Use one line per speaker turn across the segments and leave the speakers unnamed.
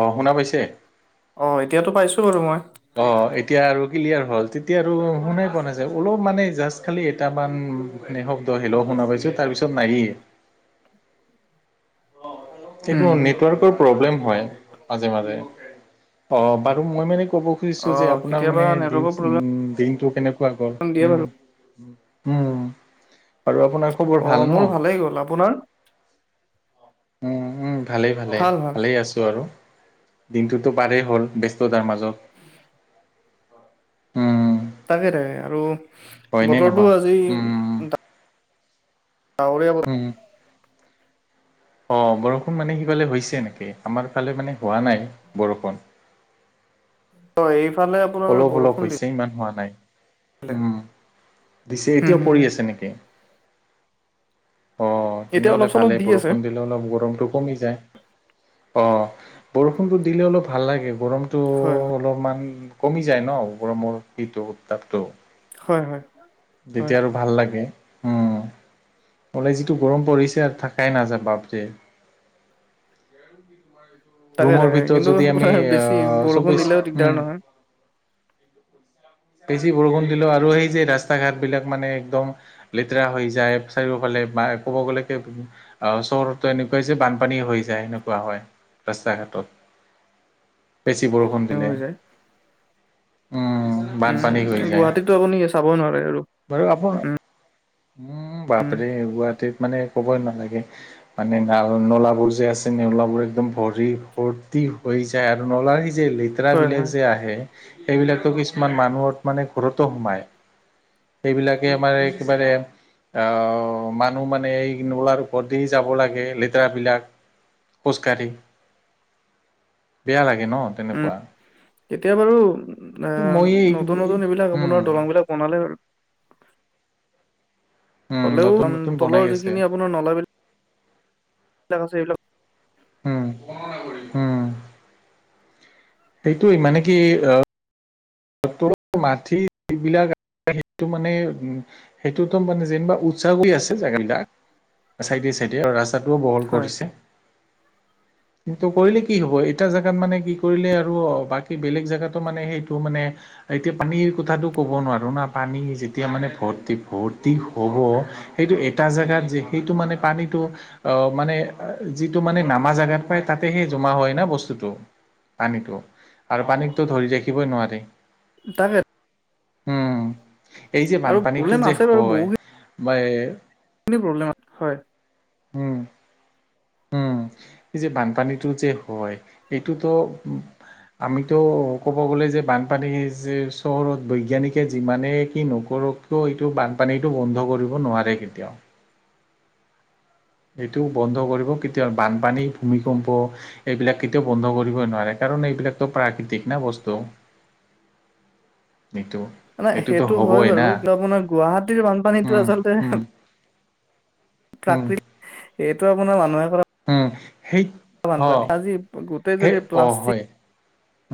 অহ শুনা পাইছে
অ এতিয়াতো পাইছো বাৰু মই
অ এতিয়া আৰু ক্লিয়াৰ হল তেতিয়া আৰু শুনাই পোৱা নাই যে অলপ মানে জাষ্ট খালি এটামান উম এনে শব্দ হেল্ল শুনা পাইছো তাৰপিছত নাইয়ে এইটো
উম।
নেটৱৰ্কৰ প্ৰব্লেম হয় মাজে মাজে অ বাৰু মই মানে ক'ব
অ
খুজিছো যে আপোনাৰ
কেতিয়াবা
মানে
নেটৱৰ্কৰ
দিনছ
প্ৰব্লেম
উ দিনটো কেনেকুৱা গ'ল?
দিয়ে
উম।
বাৰু
উম আৰু আপোনাৰ খবৰ
অ
ভাল ন
মোৰ ভালেই গ'ল আপোনাৰ
উম উম ভালেই ভালেই
ভাল ভাল
ভালেই আছো আৰু দিনটোতো পাৰেই হ'ল ব্যস্ততাৰ মাজত উম
তাকে তাকে আৰু
হয়নে
বতৰটো
নহয়
আজি
উম
ডাৱৰীয়া কৰে
উম অ বৰষুণ মানে সি কলে হৈছে এনেকে আমাৰ ফালে মানে হোৱা নাই বৰষুণ।
অ এইফালে আপোনাৰ
অলপ অলপ
বৰষুণ
হৈছে
দি
ইমান হোৱা নাই উম দিছে।
হুম
এতিয়াও
হুম
পৰি আছে নেকি? অ
এতিয়া অলপ
তেনেহলে
চলপ
ভালেই
দি আছে
বৰষুণ দিলে অলপ গৰম টো কমি যায় অ বৰষুণতো দিলে অলপ ভাল লাগে গৰমতো
হয় হয়
অলপমান কমি যায় ন গৰমৰ সেইটো উত্তাপটো
হয় হয় হয়
তেতিয়া আৰু ভাল লাগে উম বোলে যিটো গৰম পৰিছে আৰু থাকাই নাযায় বাপৰে। [unintelligible]
তাকে
ৰুমৰ
তাকে
ভিতৰত
কিন্তু
যদি আমি
আপোনাৰ বেছি বৰষুণ
চব্বিশ
দিলেও দিগদাৰ
উম
নহয়
বেছি বৰষুণ দিলো আৰু সেই যে ৰাস্তা ঘাট বিলাক মানে একদম লেতেৰা হৈ যায় চাৰিওফালে ক'ব গ'লে কি অ চহৰতো এনেকোৱা যে বানপানী হৈ যায় সেনেকোৱা হয় ৰাস্তা ঘাটত বেছি বৰষুণ দিলে।
হৈ যায়
উম বানপানী
উম
হৈ যায়
গুৱাহাটীতো আপুনি চাব নোৱাৰে আৰু
বাৰ আকৌ
উম
উম বাপৰে গুৱাহাটীত মানে ক'বই নালাগে মানে নাল নলাবোৰ যে আছে নলাবোৰ একদম ভৰি ভৰ্তি। হৈ যায় আৰু নলাৰ সি যে লেতেৰা
হয়
বিলাক
হয়
যে আহে সেইবিলাকো কিছ- কিছুমান মানুহত মানে ঘৰতো সোমায় সেইবিলাকে আমাৰ একেবাৰে আহ মানুহ মানে এই নলাৰ ওপৰতে দি যাব লাগে লেতেৰা বিলাক খোজকাঢ়ি বেয়া লাগে ন
উম
তেনেকোৱা
এতিয়া বাৰু অ নতুন নতুন এইবিলাক
উম
আপোনাৰ দলং বিলাক বনালে
উম নতুন
হ'লেও
নতুন বনাই
তলৰ
আছে
যিখিনি আপোনাৰ নলাবিলাক আচ্ছা এইবিলাক
উম হম সেইটোৱে মানে কি অ মাথি এইবিলাক সেইটো মানে উ সেইটোতো মানে যেনিবা উচা কৰি আছে জেগা বিলাক চাইডে চাইডে ৰাস্তাটোও বহল
হয়
কৰিছে। কিন্তু কৰিলে কি হব এটা জেগাত মানে কি কৰিলে আৰু বাকী বেলেগ জেগাতো মানে সেইটো মানে এতিয়া পানীৰ কথাটো ক'ব নোৱাৰোঁ না পানী যেতিয়া মানে ভৰ্তি ভৰ্তি হ'ব সেই এটা জেগাত যে সেইটো মানে পানীতো অ মানে যিটো মানে নামা জেগাত পায় তাতে। সেই জমা হয় না বস্তুটো পানীতো আৰু পানীকতো ধৰি ৰাখিবই নোৱাৰি
তাকে
উম এই যে
আৰু
বানপানীটো
প্ৰব্লেম
যে
আছে বাৰু
হয়
বহুখিনি
মই
প্ৰব্লেম হয়
উম উম এই যে বানপানীটো যে হয় এইটোতো উ আমিতো ক'ব গ'লে যে বানপানী যে চহৰত বৈজ্ঞানিকে যিমানে কি নকৰো দুখটো এইটো বানপানীটো বন্ধ কৰিব নোৱাৰে কেতিয়াও। এইটো বন্ধ কৰিব কেতিয়াও, বানপানী, ভূমিকম্প এইবিলাক কেতিয়াও বন্ধ কৰিব নোৱাৰে। কাৰণ কাৰণ, এইবিলাকতো প্ৰাকৃতিক ন বস্তু এইটো।
মানে,
এইটোতো
সেইটো হয়
হ'বই না
বাৰু। কিন্তু আপোনাৰ গুৱাহাটীৰ বানপানীতো
উম,
আচলতে
উম, উম,
প্ৰাকৃতিক, এইটো আপোনাৰ মানুহে কৰা
উম, সেই
বানপানী।
অ'
আজি গোটেই
সেই
যদি
অ'
প্লাষ্টিক
হয়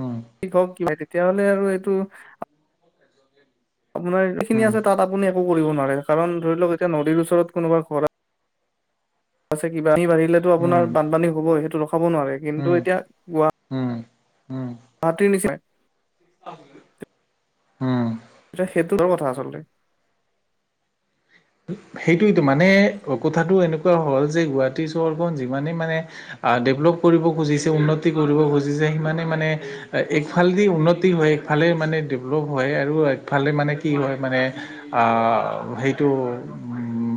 উম,
প্লাষ্টিক হওক কিবা, তেতিয়া হ'লে আৰু এইটো আপোনাৰ এইখিনি
উম,
আছে, তাত আপুনি একো কৰিব নোৱাৰে। কাৰণ ধৰি লওক এতিয়া নদীৰ ওচৰত কোনোবা ঘৰ আছে কিবা দিলেটো
উম,
আপোনাৰ বানপানী হ'বই, সেইটো ৰখাব নোৱাৰে। কিন্তু
উম,
এতিয়া গুৱা
উম,
গুৱাহাটীৰ নিচিনাই
হুম।
সেইটো ভাল কথা আচলতে।
সেইটোৱেতো, মানে কথাটো এনেকুৱা হ'ল যে, গুৱাহাটী চহৰখন যিমানে মানে আ ডেভলপ কৰিব খুজিছে, উন্নতি কৰিব খুজিছে, সিমানে মানে একফালদি উন্নতি হয়, একফাল সেইটোৱে মানে ডেভলপ হয় আৰু একফালে মানে কি হয় মানে, আ, আ, সেই টো উম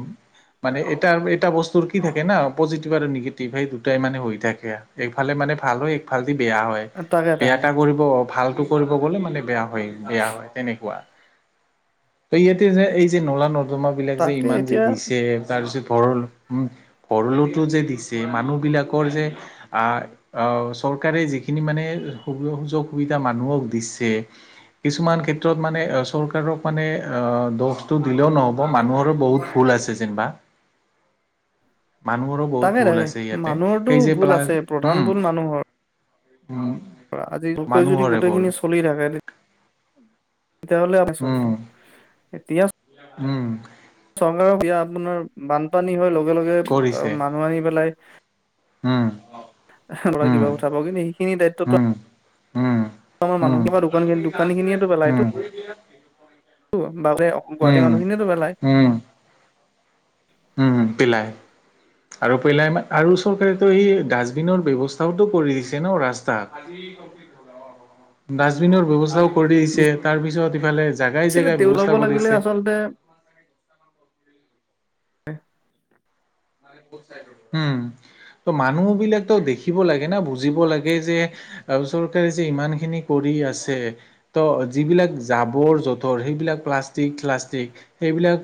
মানে এটাৰ, এটা বস্তুৰ কি থাকে না পজিটিভ আৰু নিগেটিভ, সেই দুটাই মানে হৈ থাকে আৰু এইফালে মানে ভালো একফাল বেয়া হয়,
তাকে
বেয়া
তাকে
এটা কৰিব, ভালটো কৰিব গ'লে মানে বেয়া হয়, বেয়া হয়। তেনেকুৱা। ত ইয়াতে যে, এই যে নলা নৰ্দমা বিলাক যে
তাকে
ইমান যে
এতিয়া
দিছে। তাৰপিছত পৰণ [unintelligible] উম, ভৰলুটো যে দিছে, মানুহ বিলাকৰ যে আহ চৰকাৰে যি সেইখিনি মানে সুযোগ, সুবিধা মানুহক দিছে কিছুমান ক্ষেত্ৰত মানে চৰকাৰক মানে, আহ দুখটো দিলেও নহ ব, মানুহৰো বহুত ভুল আছে যেনিবা। মানুহৰো
তাকে
বহুত ভুল
তাকে
আছে ইয়াতে।
মানুহৰটো
সেই যে
ভুল
প্লা,
আছে প্ৰধান
উম উম
আজিলৈকে যদি
মানুহৰে ভুল
গোটেইখিনি চলি থাকে তে তেতিয়া হ'লে আচলতে,
উম
এতিয়া
উম।
ৰ বিয়া আপোনাৰ বানপানী হয়, লগে-লগে
কৰিছে
মানুহ আনি পেলাই
উম
ল'ৰা কিবা
উম
কথা কওঁ যে, কিন্তু সেইখিনি দায়িত্বটো
উম, উম,
আমাৰ
উম,
মানুহটো
উম।
টো বালে, গুৱাহাটী
উম,
মানুহখিনিয়েটো পেলায়।
উম, উম, পেলায়। আৰু পেলাই আৰু চৰকাৰেতো এই ডাষ্টবিনৰ ব্যৱস্থাওটো কৰি দিছে ন ৰাস্তাত। ডাষ্টবিনৰ ব্যৱস্থাও কৰি দিছে, তাৰ পিছত ইফালে জাগাই
আছিলে,
জেগাই
তেওঁ ল'ব
ব্যৱস্থা
লাগিলে,
কৰিছে।
আচলতে হ [unintelligible]
উম, ত মানুহ বিলাকতো দেখিব লাগে ন, বুজিব লাগে যে আৰু চৰকাৰে যে ইমান খিনি কৰি আছে, ত যিবিলাক জাবৰ-জোথৰ সেইবিলাক প্লাষ্টিক-প্লাষ্টিক, সেইবিলাক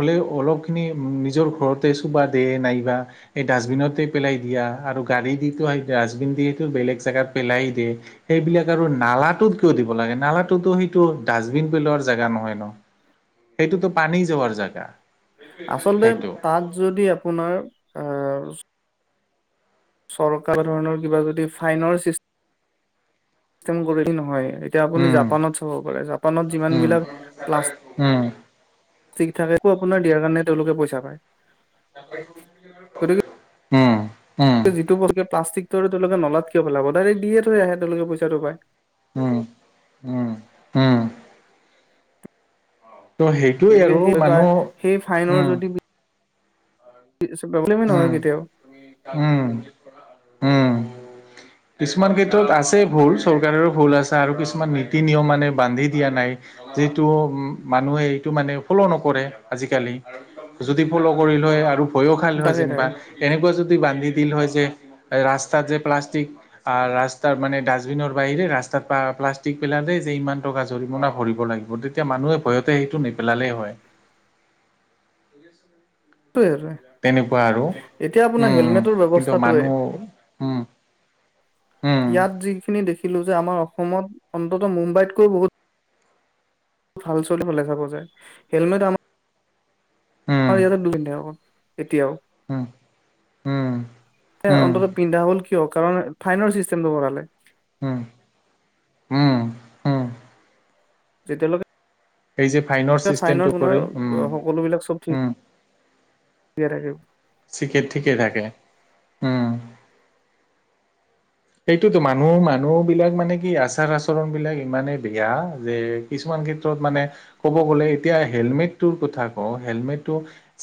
হ'লে অলপখিনি নিজৰ ঘৰতে চোঁ বা দে নাইবা, এই ডাষ্টবিনতে পেলাই দিয়া আৰু গাড়ী দি পেলাই ডাষ্টবিন দিয়েটো বেলেগ জেগাত পেলাই দিয়ে, সেইবিলাক আৰু নালাটোত কিয় দিব লাগে, নালাটো তো সেইটো ডাষ্টবিন পেলোৱাৰ জেগা নহয় নহয় ন, সেইটোতো পানী যোৱাৰ জেগা।
আচলতে,
সেইটো
তাত যদি আপোনাৰ আহ চৰকাৰ ধৰণৰ কিবা যদি, ফাইনৰ ছিষ্টেম কৰিলে নহয়, এতিয়া আপুনি
উম,
জাপানত চাব পাৰে, জাপানত যিমান
উম,
বিলাক প্লাছ,
উম।
ঠিক থাকে, ত আপোনাৰ দিয়াৰ কাৰণে, তেওঁলোকে পইচা পায়। গতিকে
হুম
যিটো প্লাষ্টিকটো তোকে নলাত কিয় পলাব ডাইৰে দিয়ে থ আহে তেওঁলোকে পইচাটো পায়
উম উম হুম ত' সেইটোৱে
গতিকে
আৰু
সেই বা সেই
মানুহ উম
প্ৰব্লেমেই নহয়
উম,
কেতিয়াও
উম উম। কিছুমান ক্ষেত্ৰত আছে ভুল চৰকাৰৰো ভুল আছে আৰু কিছুমান নীতি নিয়ম মানে বান্ধি দিয়া নাই, যিটো উ মানুহে এইটো মানে ফ'ল' নকৰে আজিকালি যদি ফ'লৌ' কৰি লৈ আৰু ভয়ো খাই নহয়
তাকে
যেনিবা
তাকে
এনেকোৱা যদি বান্ধি দিল হয় যে ৰাস্তাত যে প্লাষ্টিক আৰু ৰাস্তাৰ মানে ডাষ্টবিনৰ বাহিৰে ৰাস্তাত প্লাষ্টিক পেলাল যে ইমান টকা জৰিমনা ভৰিব ল তেতিয়া মানুহে ভয়তে সেইটো নেপেলালে হয়
সেইটোৱে আৰু
তেনেকোৱা আৰু
এতিয়া আপোনাৰ হেলমেটৰ
কিন্তু
ব্যৱস্থাটোৱে
মানুহ উম
ইয়াত যিখিনি দেখিলো যে আমাৰ অসমত অন্তত মুম্বাইতকৈ বহুত ভাল চলিব লাগে বজাই হেলমেট আমাৰ আমাৰ
উম
ইয়াতো দু পিন্ধে আ এতিয়াও
উম উম উম
অন্তত পিন্ধা হল কিয় কাৰণ ফাইন চিষ্টেমটো কৰালে
উম উম উম
যে
এই যে ফাইনৰ
তেওঁলোকে
চিষ্টেমটো
ফাইনৰ গুণৰ
কৰিল উম,
সকলোবিলাক চব ঠিক দে তাকেই
চিকে ঠিকেই থাকে উম সেইটো তোমাৰ মোৰ মানুহ বিলাক মানে কি আচাৰ আচৰণ বিলাক ইমানেই বেয়া যে কিছুমান মানে ক'ব গলে এতিয়া হেলমেট টো কথা ক হেলমেটটো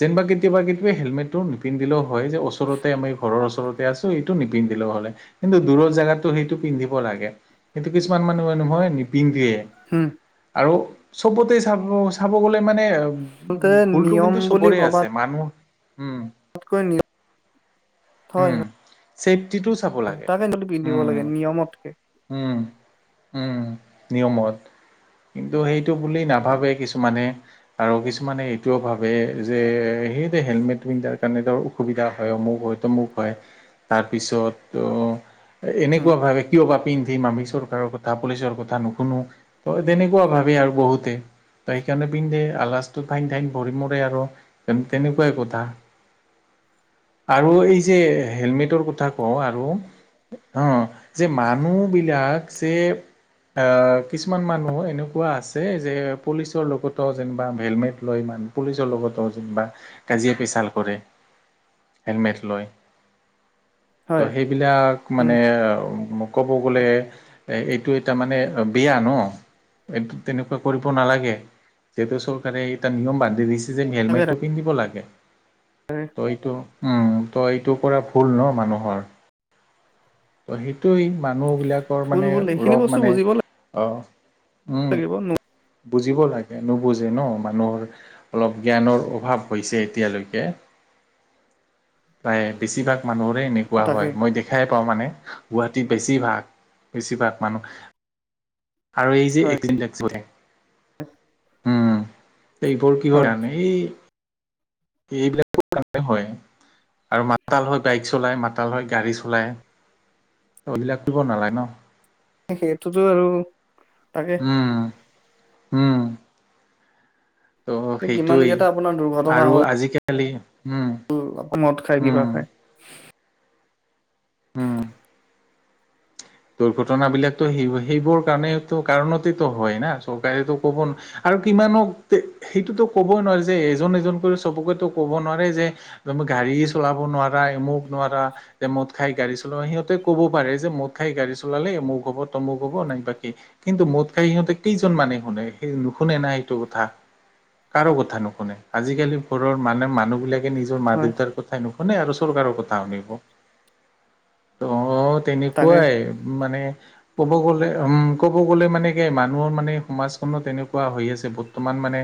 যেনিবা কেতিয়াবা হেলমেটটো নিপিন্ধিলেও হয় যে ওচৰতে আমি ঘৰৰ ওচৰতে আছো এইটো নিপিন্ধিলেও হলে কিন্তু দূৰ জাগাতটো সেইটো পিন্ধিব লাগে সেইটো কিছুমান মানুহে নহয় নিপিন্ধে
হম
আৰু চবতে চাব চাব গ'লে মানে
আচলতে
ভুলটো
নিয়ম
কিন্তু চবৰে আছে মানুহ উম
ততকৈ হয় হয়
ছেফটিটোও চাব লাগে
টো পিন্ধিব লাগে
উম
নিয়মতকে
উম উম নিয়মত কিন্তু সেইটো বুলি নাভাবে কিছুমানে আৰু কিছুমানে এইটোও ভাবে যে সেই হেলমেট পিন্ধাৰ কাৰণে ত অসুবিধা হয় অমুখ হয় তমুখ হয়। তাৰ পিছত অ
উম
এনেকোৱা ভাবে কিয় বা পিন্ধিম আমি চৰকাৰৰ কথা পুলিচৰ কথা নুশুনো ত তেনেকোৱা ভাবে আৰু বহুতে ত সেইকাৰণে পিন্ধে আলচটো ফাইন ফাইন ভৰি মৰে আৰু তেনেকোৱাই কথা। আৰু এই যে হেলমেটৰ কথা কওঁ আৰু হ যে মানুহ বিলাক যে। অ' কিছুমান মানুহ এনেকোৱা আছে যে পুলিচৰ লগতো যেনিবা হেলমেট লৈ মান। পুলিচৰ লগতো যে বা কাজিয়া পেচাল কৰে। হেলমেট লয়
হয়
ত' সেইবিলাক
উম
মানে। ক'ব গ'লে এ এইটো এটা মানে বেয়া ন। এইটো তেনেকোৱা কৰিব নালাগে যিহেতু চৰকাৰে এটা নিয়ম বান্ধি দিছে। যে
তাকে
হেলমেটটো পিন্ধিব লাগে।
তাকে
ত এইটো উম তই এইটো কৰা ভুল ন মানুহৰ। সেইটোৱেই মানুহ বিলাকৰ
ভুল
মানে
ভুল এইখিনি
অলপ
বস্তু
মানে
বুজিব
আহ।
লাগিব ন।
বুজিব লাগে নুবুজে ন মানুহৰ অলপ জ্ঞানৰ অভাৱ হৈছে এতিয়ালৈকে। প্ৰায় বেছিভাগ মানুহৰে এনেকুৱা
তাকে
হয় মই দেখাই পাওঁ‌ মানে। গুৱাহাটীত বেছিভাগ বেছিভাগ মানুহ। আৰু এই যে
হয়
এইকেদিন লাগ এইবোৰ কি হয় কাৰণে এই। এইবিলাকৰ কৰা হয়। আৰু মাতাল হৈ বাইক চলাই মাতাল হৈ গাড়ী চলাই। সেইবিলাক কৰিব নালাগে ন।
সেইটোতো আৰু তাকে।
হম। ত'
কিমান
সেইটোৱেই
কেইটা
আৰু আজিকালি। উম
অক মদ খায় কিবা
উম
খাই
হম। দুৰ্ঘটনা বিলাকো সেই সেইবোৰ কাৰণো কাৰণতেতো হয় না চৰকাৰেতো কব ন। আৰু কিমান সেইটোতো ক'বই নোৱাৰে যে এজন এজনকৈ চবকে ক'ব নোৱাৰে যে। গাড়ী চলাব নোৱাৰা মোক নোৱাৰা যে মোদ খাই গাড়ী চলাব সিহঁতে ক'ব পাৰে। যে মদ মো খাই গাড়ী চলালে মোক হব তমোক হ'ব নাইবা কিন্তু মদ খাই সিহঁতে কেইজন মানে শুনে সেই শুনে না এইটো কথা কাৰো কথা নুশুনে আজিকালি ঘৰৰ মানে মানুহ বিলাক। নিজৰ মা
হয়
দেউতাৰ কথাই। মানে আৰু চৰকাৰৰ কথা শুনিব ত তেনে।
তাকে
খোৱাই মানে ক'ব গ'লে উম ক'ব গ'লে মানে কি মানুহৰ মানে সমাজখনো তেনেকুৱা হৈ আছে বৰ্তমান। মানে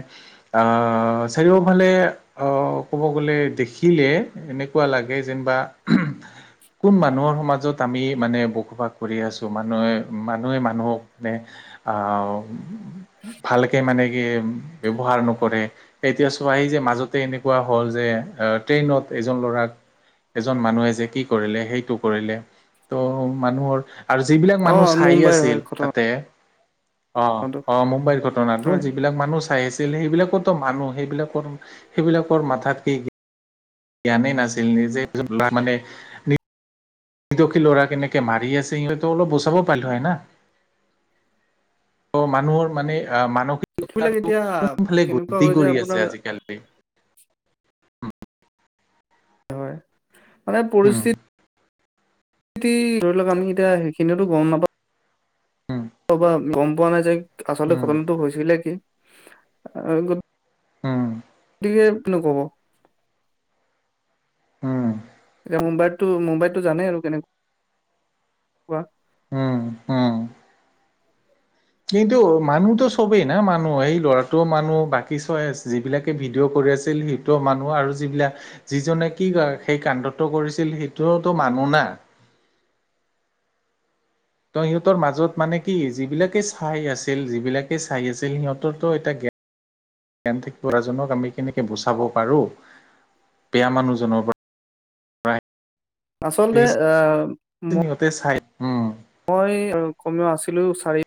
অ' চাৰিও ফালে অ' দেখিলে। লাগে যেনিবা কোন মানুহৰ সমাজত আমি মানে। বসবাস কৰি আছোঁ মানুহে মানুহে মানুহক মানে। ভালকে মানে। ব্যবহাৰ নকৰে। এতিয়া চোৱেই যে মাজতে এনেকুৱা হ'ল যে ট্ৰেইনত। এজন ল'ৰাক এজন মানুহে যে কি কৰিলে? সেইটো কৰিলে ত' মানুহৰ আৰু যিবিলাক
অ
মানুহ চাই
মুম্বাইৰ হয়
আছিল
ঘটনাটো
তাতে। অ' অ' মুম্বাইৰ ঘটনাতটো
হয়
যিবিলাক মানুহ চাই আছে। আছিল সেইবিলাকৰো মানুহ সেইবিলাকৰ সেইবিলাকৰ মাথাত কি। জ্ঞানেই নাছিল নিজে মানে। দখি ল'ৰা কেনেকে মাৰি আছে সিহতো অলপ বচাব পালিলোঁ হয় না। ত মানুহৰ মানে আহ মানৱ।
এইবিলাক
তটো
এতিয়া
কোনফালে
কেনেকুৱা
গতি
হৈ যায়
কৰি
আপোনাৰ
আছে আজিকালি।
হয় মানে
উম
পৰিস্থিতি। ধৰি লওঁ‌ক। আমি এতিয়া সেইখিনিওটো গম নাপাওঁ।
উম
অবা গম পোৱা নাই যে আচলতে
উম
ঘটনাটো হৈছিলে কি? অ' গম
উম
গতিকে নক'ব।
উম
এতিয়া মুম্বাইতটো মুম্বাইতটো জানেই আৰু কেনেকা
উম উম কিন্তু মানুহতো চবেই না মানুহ সেই ল'ৰাটোও মানুহ বাকী চাই যিবিলাকে ভিডিঅ' কৰি। আছিল সেইটো মানুহ আৰু যিবিলাক। যিজনে কি সেই কাণ্ডটো কৰিছিল সেইটো মানুহ। শুনা। ত সিহঁতৰ মাজত মানে কি যিবিলাকে চাই আছিল যিবিলাকে চাই আছিল সিহঁতৰ তো এটা হয় [inaudible] জ্ঞান থাকিব কৰাজনক আমি কেনেকে বচাব পাৰোঁ। বেয়া মানুহজনৰ পৰা
আচলতে অহ
সিহঁতে চাই উম
মই কমেও আছিলো চাৰি